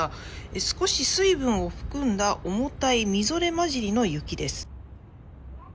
少し水分を含んだ重たいみぞれ交じりの雪です。